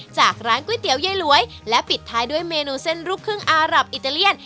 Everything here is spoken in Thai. จากร้านก๋วยเตี๋ยยายหลวยและปิดท้ายด้วยเมนูเส้นลูกครึ่งอารับอิตาเลียน